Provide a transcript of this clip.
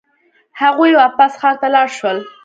هغوی واپس ښار ته لاړ شول.